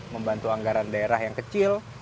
membantu anggaran daerah yang kecil